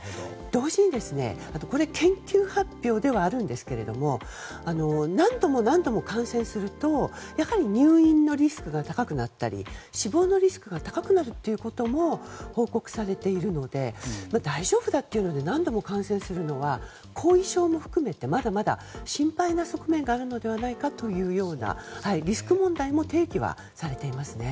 同時に、これは研究発表ではありますが何度も何度も感染するとやはり入院のリスクが高くなったり死亡のリスクが高くなることも報告されているので大丈夫だというので何度も感染するのは後遺症も含めてまだまだ心配な側面があるのではないかというリスク問題も提起はされていますね。